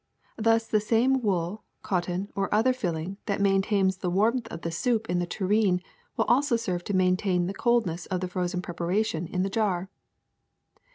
Thus the same wool, cotton, or other filling that maintains the warmth of the soup in the tureen will also serve to maintain the coldness of the frozen preparation in the jar.